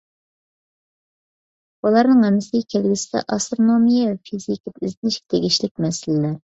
بۇلارنىڭ ھەممىسى كەلگۈسىدە ئاسترونومىيە ۋە فىزىكىدا ئىزدىنىشكە تېگىشلىك مەسىلىلەر.